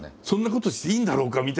そんなことしていいんだろうか？